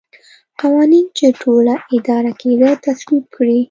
قوانین چې ټولنه اداره کېده تصویب کړي.